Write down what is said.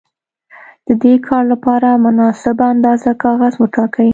د دې کار لپاره مناسبه اندازه کاغذ وټاکئ.